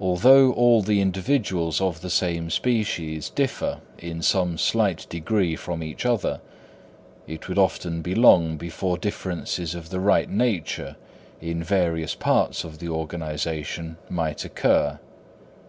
Although all the individuals of the same species differ in some slight degree from each other, it would often be long before differences of the right nature in various parts of the organisation might occur.